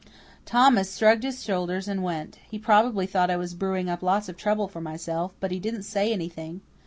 Thomas shrugged his shoulders and went. He probably thought I was brewing up lots of trouble for myself, but he didn't say anything.